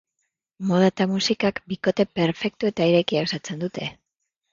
Moda eta musikak bikote perfektu eta irekia osatzen dute.